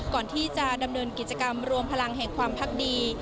ก่อนที่จะดำเนินกิจกรรมรวมพลังแห่งความพักดี